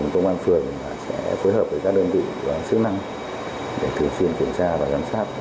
công an phường sẽ phối hợp với các đơn vị sức năng để thường xuyên kiểm tra và giám sát